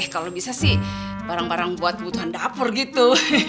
kalau bisa sih barang barang buat kebutuhan dapur gitu